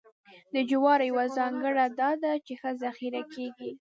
د جوارو یوه ځانګړنه دا ده چې ښه ذخیره کېږي.